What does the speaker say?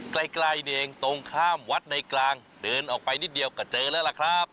ใกล้นี่เองตรงข้ามวัดในกลางเดินออกไปนิดเดียวก็เจอแล้วล่ะครับ